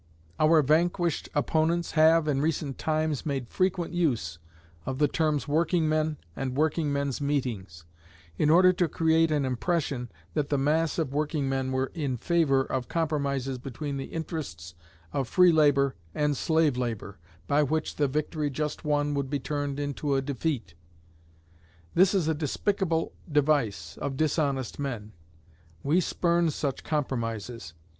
Our vanquished opponents have, in recent times, made frequent use of the terms "Workingmen" and "Workingmen's Meetings," in order to create an impression that the mass of workingmen were _in favor of compromises between the interests of free labor and slave labor, by which the victory just won would be turned into a defeat_. This is a despicable device of dishonest men. _We spurn such compromises.